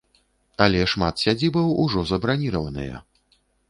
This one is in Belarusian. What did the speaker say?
Але шмат сядзібаў ужо забраніраваныя.